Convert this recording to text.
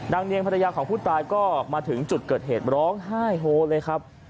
เนียงภรรยาของผู้ตายก็มาถึงจุดเกิดเหตุร้องไห้โฮเลยครับ